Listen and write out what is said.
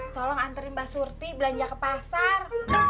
tolong anterin mbak surti belanja ke pasar